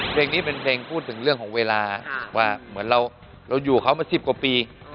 เพลงนี้เป็นเพลงพูดถึงเรื่องของเวลาว่าเหมือนเราอยู่เขามา๑๐กว่าปี